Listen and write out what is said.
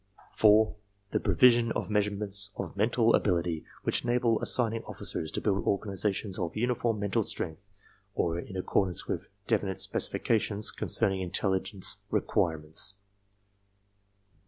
4. The provisioii of measurements of mental ability which INTRODUCTION xiii enable assigning officers to build organizations of uniform mental strength or in accordance with definite specifications concerning intelligence requirements.